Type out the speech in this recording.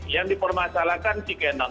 yang dipermasalahkan si canon